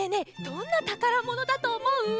どんな「たからもの」だとおもう？